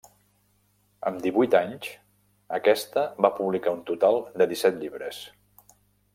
Amb divuit anys, aquesta va publicar un total de disset llibres.